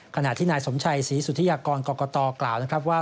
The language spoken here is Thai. ขณะที่นายสมชัยศรีสุธิยากรกรกตกล่าวนะครับว่า